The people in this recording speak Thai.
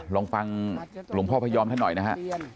ลองฟังหลวงพ่อพยอมท่านหน่อยนะฮะ